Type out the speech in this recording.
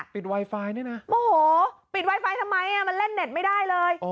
ไวไฟนี่นะโมโหปิดไวไฟทำไมมันเล่นเน็ตไม่ได้เลย